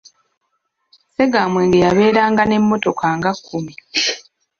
Ssegamwenge yabeeranga n'emmotoka nga kkumi.